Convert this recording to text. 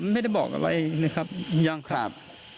ไม่ได้บอกอะไรนะครับยังครับ